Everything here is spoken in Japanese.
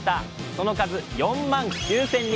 その数４万９，０００人。